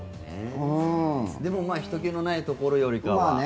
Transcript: でもひとけのないところよりかは。